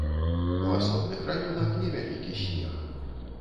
У асобных раёнах невялікі снег.